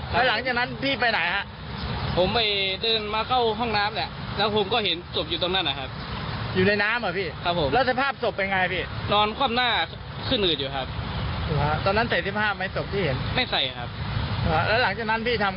แล้วหลังจากนั้นพี่ทำไงพี่